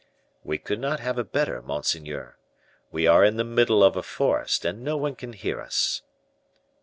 "We could not have a better, monseigneur. We are in the middle of a forest, and no one can hear us."